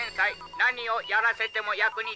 何をやらせても役に立つ。